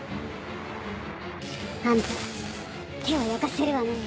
あんた手を焼かせるわね。